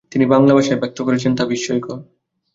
তিনি বাংলাভাষায় ব্যক্ত করেছেন তা বিস্ময়কর।